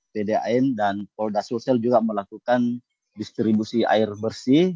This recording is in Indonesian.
pdam dan polda sulsel juga melakukan distribusi air bersih